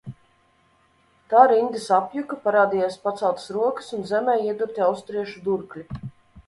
Tā rindas apjuka, parādījās paceltas rokas un zemē iedurti austriešu durkļi.